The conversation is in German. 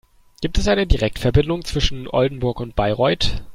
Gibt es eine Direktverbindung zwischen Oldenburg und Bayreuth?